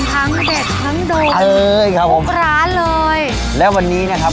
ทั้งเด็ดทั้งโดนเลยครับผมทุกร้านเลยและวันนี้นะครับ